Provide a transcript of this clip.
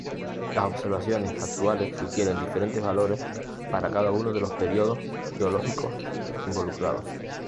Las observaciones actuales sugieren diferentes valores para cada uno de los períodos geológicos involucrados.